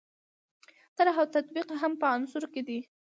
طرح او تطبیق هم په عناصرو کې دي.